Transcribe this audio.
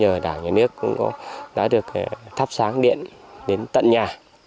nhờ đảng nhà nước cũng đã được thắp sáng điện đến tận nhà